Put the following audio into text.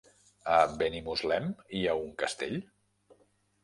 A Benimuslem hi ha un castell?